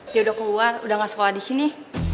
dia udah keluar udah gak sekolah di sini